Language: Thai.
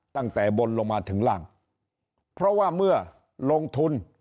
ตั้งแต่บนลงมาถึงล่างเพราะว่าเมื่อลงทุน